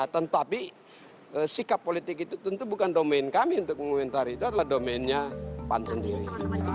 tetapi sikap politik itu tentu bukan domain kami untuk mengomentari itu adalah domainnya pan sendiri